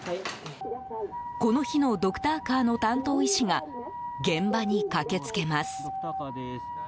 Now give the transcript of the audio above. この日のドクターカーの担当医師が現場に駆けつけます。